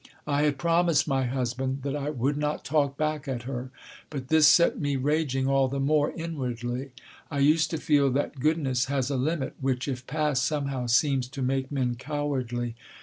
I had promised my husband that I would not talk back at her, but this set me raging all the more, inwardly. I used to feel that goodness has a limit, which, if passed, somehow seems to make men cowardly.